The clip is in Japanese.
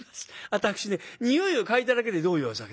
私ねにおいを嗅いだだけでどういうお酒だか。